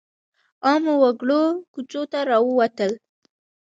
عامو وګړو کوڅو ته راووتل.